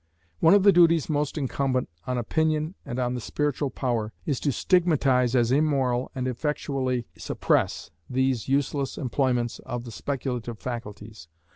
One of the duties most incumbent on opinion and on the Spiritual Power, is to stigmatize as immoral, and effectually suppress, these useless employments of the speculative faculties.